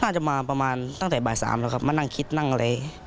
น่าจะมาประมาณตั้งแต่บ่าย๓แล้วครับมานั่งคิดนั่งอะไร